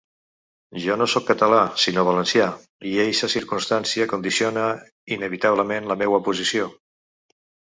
Jo no sóc català sinó valencià, i eixa circumstància condiciona inevitablement la meua posició.